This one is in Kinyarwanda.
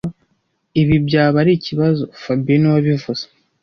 Ibi byaba ari ikibazo fabien niwe wabivuze